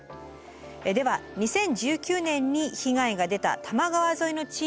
では２０１９年に被害が出た多摩川沿いの地域を拡大してみます。